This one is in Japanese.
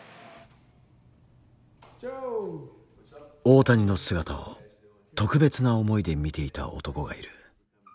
大谷の姿を特別な思いで見ていた男がいる。